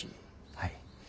はい。